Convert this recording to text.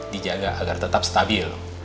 dijaga agar tetap stabil